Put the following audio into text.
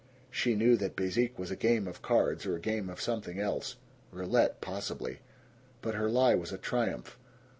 She knew that bezique was a game of cards or a game of something else. Roulette, possibly. But her lie was a triumph.